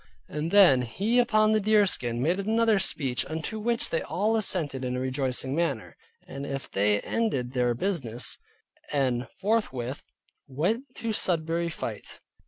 And then he upon the deerskin, made another speech unto which they all assented in a rejoicing manner. And so they ended their business, and forthwith went to Sudbury fight.